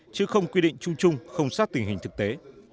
chứ không quy định chung chung không sát tình hình thực tế